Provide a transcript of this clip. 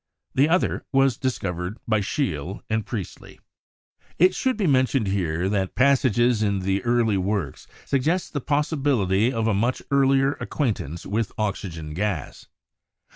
The other was discovered by Scheele and Priestley. It should be mentioned here that passages in early works suggest the possibility of a much earlier acquaint ance with oxygen gas.